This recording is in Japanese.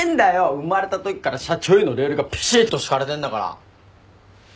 生まれたときから社長へのレールがぴしーっと敷かれてんだから。